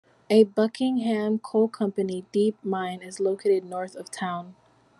A Buckingham Coal Company deep mine is located north of town.